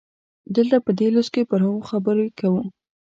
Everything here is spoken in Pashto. دلته په دې لوست کې پر هغو خبرې کوو.